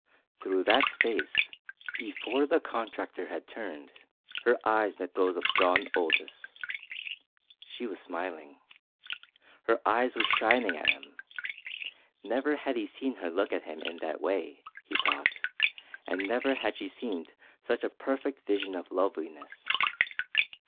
Through that space, before the contractor had turned, her eyes met those of John Aldous. She was smiling. Her eyes were shining at him. Never had he seen her look at him in that way, he thought, and never had she seemed such a perfect vision of loveliness.